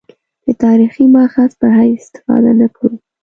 د تاریخي مأخذ په حیث استفاده نه کړو.